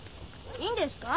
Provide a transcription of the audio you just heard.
いいんですか？